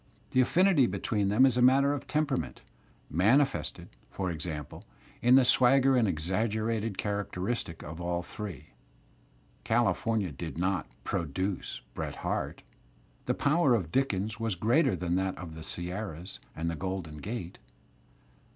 The afBnity between them is a matter of temperament, mani fested, for example, in the swagger and exaggeration character istic of all three.. California did not "produce" Bret Harte; the power of Dickens was greater than that of the Sierras and the Grolden Gate.